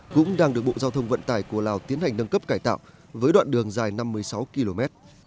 cũng đang được bộ giao thông vận tải của lào tiến hành nâng cấp cải tạo với đoạn đường dài năm mươi sáu km